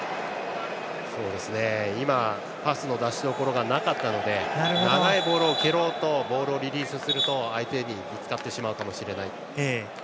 パスの出しどころがなかったので長いボールを蹴ろうとボールをリリースすると相手にぶつかってしまうかもしれない。